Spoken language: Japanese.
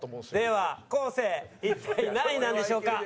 では昴生一体何位なんでしょうか？